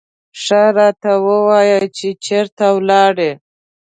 ښه راته ووایه چې چېرې ولاړې.